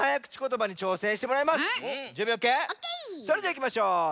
それではいきましょう。